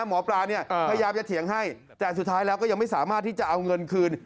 หมอปลาเนี่ยพยายามจะเถียงให้แต่สุดท้ายแล้วก็ยังไม่สามารถที่จะเอาเงินคืน